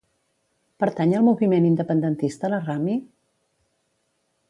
Pertany al moviment independentista la Rami?